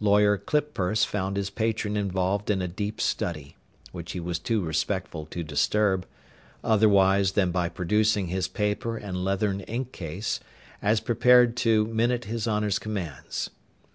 Lawyer Clippurse found his patron involved in a deep study, which he was too respectful to disturb, otherwise than by producing his paper and leathern ink case, as prepared to minute his honour's commands.